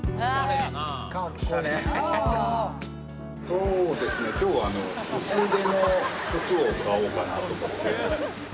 そうですね今日は薄手の服を買おうかなと思って。